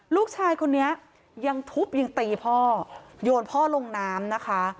ลูกชายคนนี้ยังทุบยังตีพ่อโยนพ่อลงน้ำนะคะ